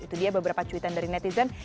itu dia beberapa cuitan dari netizen